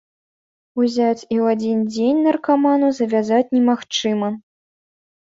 Узяць і ў адзін дзень наркаману завязаць немагчыма.